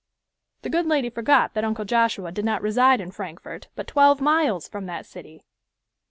The good lady forgot that Uncle Joshua did not reside in Frankfort, but twelve miles from that city!